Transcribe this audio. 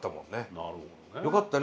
なるほどね。